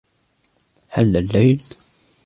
حل الليل.